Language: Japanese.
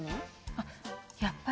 あっやっぱり？